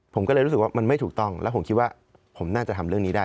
ผมก็เลยรู้สึกว่ามันไม่ถูกต้องแล้วผมคิดว่าผมน่าจะทำเรื่องนี้ได้